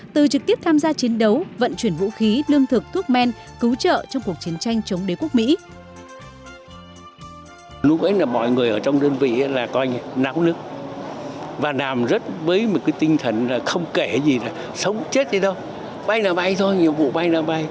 từ trực tiếp tham gia chiến đấu vận chuyển vũ khí lương thực thuốc men cứu trợ trong cuộc chiến tranh chống đế quốc mỹ